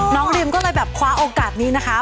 น้องริมก็เลยแบบคว้าโอกาสนี้นะคะ